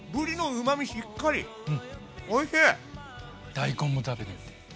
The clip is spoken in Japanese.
大根も食べてみて。